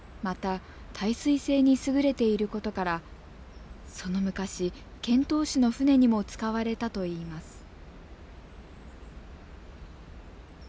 また耐水性に優れていることからその昔遣唐使の船にも使われたといいます。